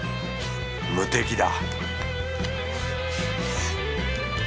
無敵だ